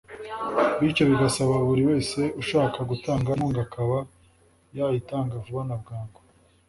bityo bigasaba buri wese ushaka gutanga inkunga akaba yayitanga vuba na bwangu